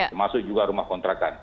termasuk juga rumah kontrakan